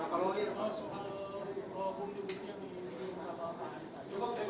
mas bukti buktinya di sini apa